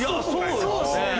そうですね。